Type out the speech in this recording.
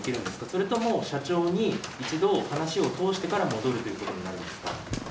それとも社長に一度、話をとおしてから戻るということになりますか？